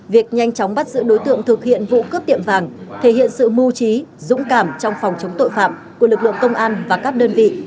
việc nhanh chóng bắt giữ đối tượng thực hiện vụ cướp tiệm vàng thể hiện sự mưu trí dũng cảm trong phòng chống tội phạm của lực lượng công an và các đơn vị